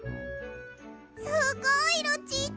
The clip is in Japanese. すごいルチータ！